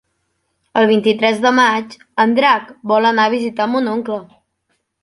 El vint-i-tres de maig en Drac vol anar a visitar mon oncle.